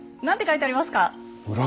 何て書いてありますか？